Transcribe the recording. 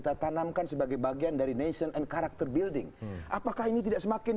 tetapi bahwa sekuennya itu memang